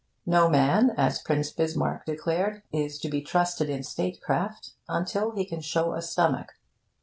No man, as Prince Bismarck declared, is to be trusted in state craft until he can show a stomach.